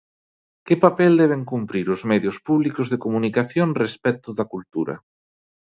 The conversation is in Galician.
Que papel deben cumprir os medios públicos de comunicación respecto da cultura?